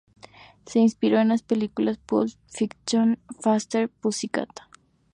Se inspiró en las películas Pulp Fiction and Faster, Pussycat!